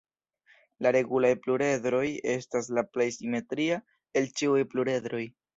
La regulaj pluredroj estas la plej simetria el ĉiuj pluredroj.